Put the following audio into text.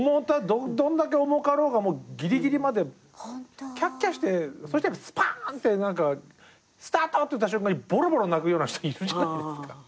どんだけ重かろうがギリギリまでキャッキャしてスパンって「スタート」って言った瞬間にボロボロ泣くような人いるじゃないですか。